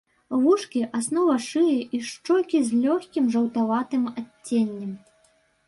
Вушкі, аснова шыі і шчокі з лёгкім жаўтаватым адценнем.